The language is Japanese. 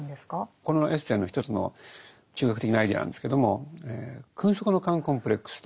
このエッセイの一つの中核的なアイデアなんですけども「君側の奸コンプレックス」と。